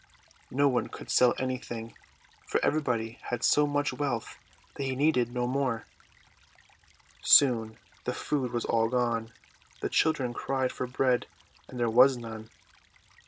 No one could sell anything, for everybody had so much wealth that he needed no more. THE WICKED FAIRIES 285 Soon the food was all gone. The children cried for bread, and there was none.